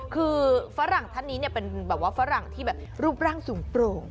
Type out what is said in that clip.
คือฝรั่งท่านนี้เป็นแบบว่าฝรั่งที่แบบรูปร่างสูงโปร่ง